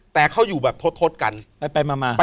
แต่เขาอยู่แบบทดกันไปมา